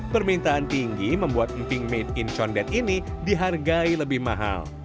permintaan tinggi membuat emping made in condet ini dihargai lebih mahal